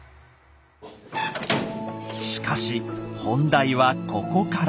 しかし本題はここから！